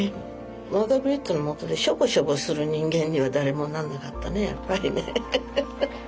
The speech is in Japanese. マザー・ブリットのもとでしょぼしょぼする人間には誰もなんなかったねやっぱりね。